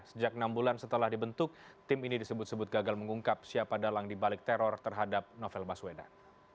sejak enam bulan setelah dibentuk tim ini disebut sebut gagal mengungkap siapa dalang dibalik teror terhadap novel baswedan